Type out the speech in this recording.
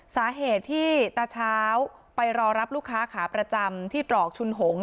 สาเหตุที่ตาเช้าไปรอรับลูกค้าขาประจำที่ตรอกชุนหง